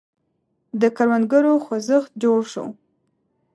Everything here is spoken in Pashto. د کروندګرو خوځښت جوړ شو.